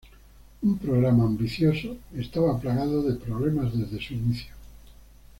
Un programa ambicioso, estaba plagado de problemas desde su inicio.